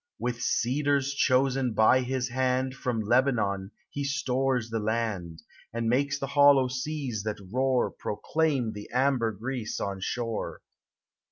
With cedars chosen by his hand From Lebanon he stores the land; And makes the hollow seas that roar Proclaim the ambergris on shore.